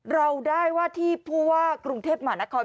เราได้ว่าที่ผู้ว่ากรุงเทพหมานคร